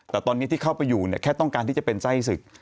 แต่ตอนนี้ที่เข้าไปอยู่เนี่ยแค่ต้องการที่จะเป็นไส้ศึก